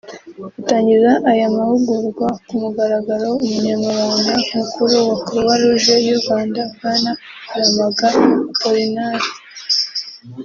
Atangiza aya mahugurwa ku mugaragaro Umunyamabanga mukuru wa Croix-Rouge y’ U Rwanda bwana Karamaga Apollinaire